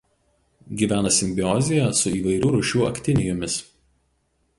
Gyvena simbiozėje su įvairių rūšių aktinijomis.